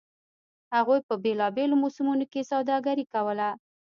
هغوی په بېلابېلو موسمونو کې سوداګري کوله